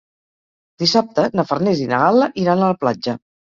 Dissabte na Farners i na Gal·la iran a la platja.